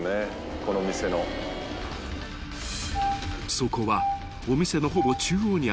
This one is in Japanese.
［そこは］